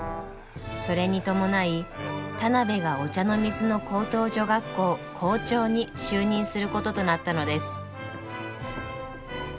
それに伴い田邊が御茶ノ水の高等女学校校長に就任することとなったのです。